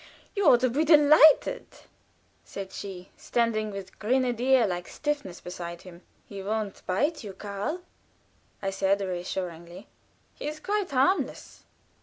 You ought to be delighted," said she, standing with grenadier like stiffness beside him. "He won't bite you, Karl," I said, reassuringly. "He's quite harmless."